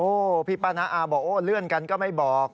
โอ้พี่ปานาอาบอกเลื่อนกันก็ไม่บอก